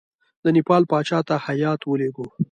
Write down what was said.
د نیپال پاچا ته هیات ولېږو.